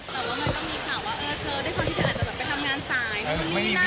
แต่ว่ามันต้องมีข่าวว่า